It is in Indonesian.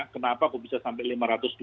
kenapa aku bisa sampai rp lima ratus dua